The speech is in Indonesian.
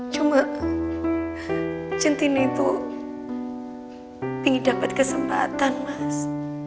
cuma centini tuh ingin dapat kesempatan mas